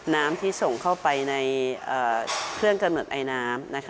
น้ำที่ส่งเข้าไปในเครื่องกำหนดไอน้ำ